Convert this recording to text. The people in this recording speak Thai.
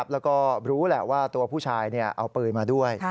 แล้วก็รู้แหละว่าตัวผู้ชายเอาปืนมาด้วย